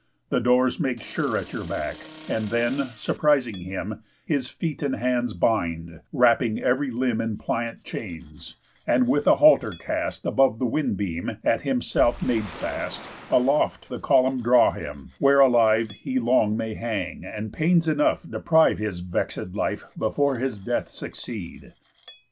The doors make Sure at your back, and then, surprising him, His feet and hands bind, wrapping ev'ry limb In pliant chains; and with a halter cast Above the wind beam—at himself made fast— Aloft the column draw him; where alive He long may hang, and pains enough deprive His vexéd life before his death succeed."